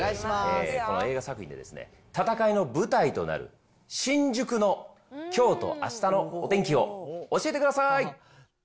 この映画作品でですね、戦いの舞台となる、新宿のきょうとあしたのお天気を教えてください。